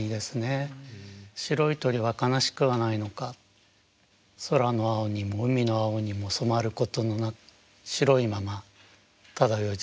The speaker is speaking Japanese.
白い鳥は悲しくはないのか空の青にも海の青にも染まることもなく白いまま漂い続けている。